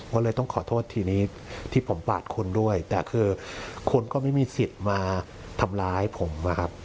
ก็เลยต้องขอโทษทีนี้ที่ผมปาดคุณด้วยแต่คือคนก็ไม่มีสิทธิ์มาทำร้ายผมนะครับ